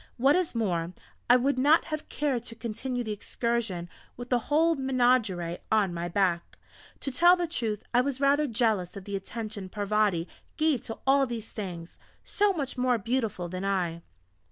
What is more, I would not have cared to continue the excursion with a whole menagerie on my back! To tell the truth I was rather jealous of the attention Parvati gave to all these things, so much more beautiful than I....